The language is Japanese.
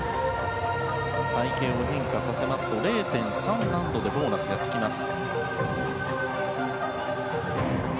隊形を変化させますと０．３難度でボーナスがつきます。